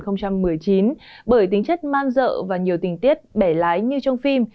năm hai nghìn một mươi chín bởi tính chất man dợ và nhiều tình tiết bẻ lái như trong phim